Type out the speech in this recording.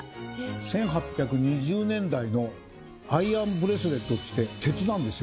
１８２０年代のアイアンブレスレットでして鉄なんですよ